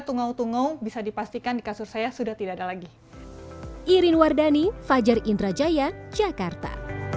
tungau tungau bisa dipastikan di kasur saya sudah tidak ada lagi irin wardani fajar indrajaya jakarta